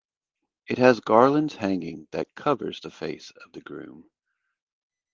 It has garlands hanging that covers the face of the groom.